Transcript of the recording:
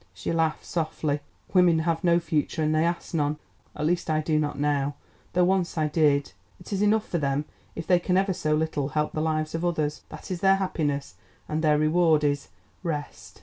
She laughed softly. "Women have no future and they ask none. At least I do not now, though once I did. It is enough for them if they can ever so little help the lives of others. That is their happiness, and their reward is—rest."